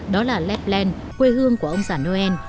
đó là lapland quê hương của ông già noel